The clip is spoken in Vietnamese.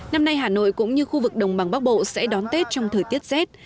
năm nay hà nội cũng như khu vực đồng bằng bắc bộ sẽ đón tết trong thời tiết rét